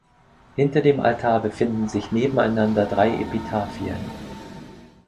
Hinter dem Altar befinden sich nebeneinander drei Epitaphien.